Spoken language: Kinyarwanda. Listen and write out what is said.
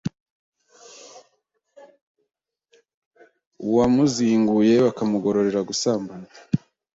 uwamuzinguye bakamugororera gusambana